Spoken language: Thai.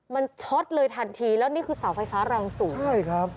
มันช็อตเลยทันทีแล้วนี่คือเสาไฟฟ้ารางสูง